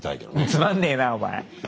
つまんねえなお前！